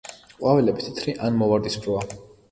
ყვავილები თეთრი ან მოვარდისფროა.